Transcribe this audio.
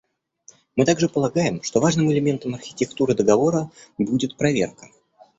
Мы также полагаем, что важным элементом архитектуры договора будет проверка.